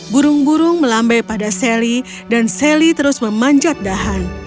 burung burung melambai pada sally dan sally terus memanjat dahan